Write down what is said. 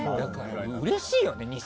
うれしいよね。